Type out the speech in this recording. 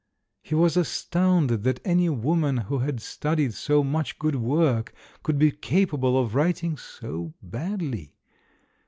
He was astounded that any woman who had studied so much good work could be capable of writing so badly.